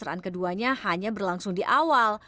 pemeraan keduanya hanya berlangsung di awal